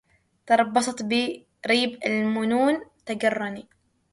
تربصت بي ريب المنون تجرني